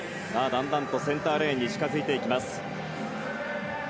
だんだんとセンターレーンに近づいてきます。